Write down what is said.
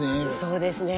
そうですね。